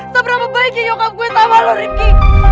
seberapa baiknya nyokap gue sama lo rifki